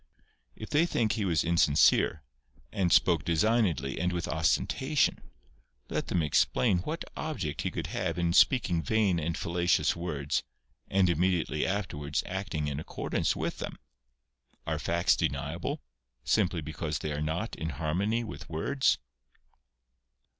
If they think he was insincere, and spoke designedly and with ostentation, let them explain what object he could have in speaking vain and fallacious words, and immediately afterwards acting in accordance with them ? Are facts deniable, simply because they are not in harmony with words